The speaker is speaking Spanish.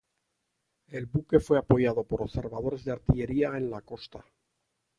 El buque fue apoyado por observadores de artillería en la costa.